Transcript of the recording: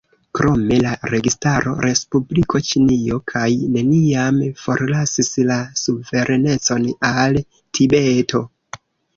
Krome, la registaro Respubliko Ĉinio kaj neniam forlasis la suverenecon al Tibeto.